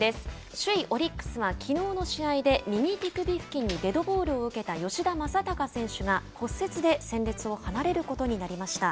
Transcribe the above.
首位オリックスはきのうの試合で右手首付近にデッドボールを受けた吉田正尚選手が骨折で戦列を離れることになりました。